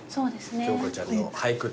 京子ちゃんの俳句タイム